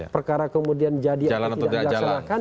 perkara kemudian jadi atau tidak dilaksanakan